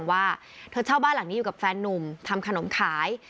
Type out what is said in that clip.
่าเล่าให้ฟังว่าเธอเช่าบ้านหลังนี้อยู่กับแฟนหนุ่มทำขนมขาย